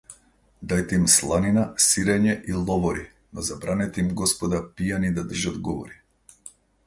Дајте им сланина, сирење и ловори, но забранете им, господа, пијани да држат говори!